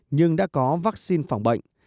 nhưng đã có vaccine phòng bệnh